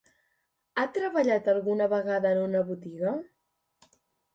Ha treballat alguna vegada en una botiga?